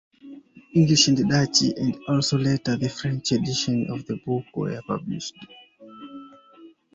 English and Dutch and also later the French editions of the book were published.